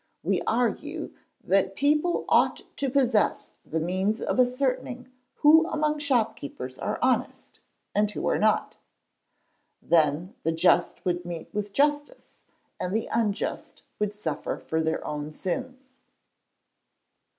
_ We argue, that people ought to possess the means of ascertaining who among shopkeepers are honest, and who are not; then the just would meet with justice, and the unjust would suffer for their own sins.